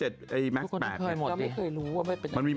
จะมึกเคยรู้ว่าไม่เป็นอะไร